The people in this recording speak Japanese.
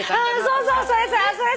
そうそうそれそれ。